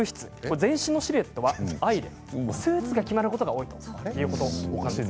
全身のシルエットはＩでスーツが決まることが多いということです。